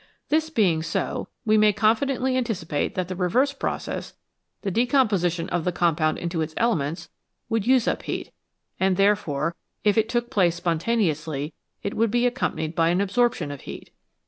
This being so, we may con fidently anticipate that the reverse process, the decom position of the compound into its elements, would use up heat, and therefore, if it took place spontaneously, it would be accompanied by an absorption of heat.